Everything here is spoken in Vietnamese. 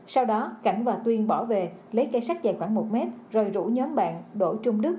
sau đó cảnh và tuyên bỏ về lấy cây sắt dài khoảng một mét rồi rủ nhóm bạn đỗ trung đức